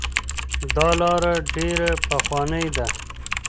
دا لاره ډیره پخوانۍ ده.